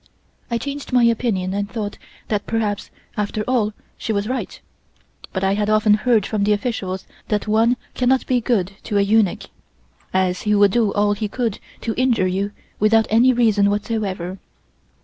I changed my opinion and thought that perhaps after all she was right, but I had often heard from the officials that one cannot be good to a eunuch, as he would do all he could to injure you without any reason whatsoever.